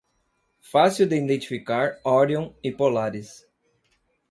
Fácil de identificar Orion e Polaris